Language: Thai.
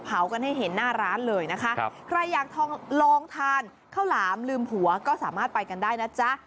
กันให้เห็นหน้าร้านเลยนะคะใครอยากลองทานข้าวหลามลืมหัวก็สามารถไปกันได้นะจ๊ะ